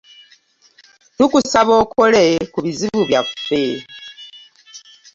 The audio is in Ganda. Tukusaba okole ku bizibu byaffe.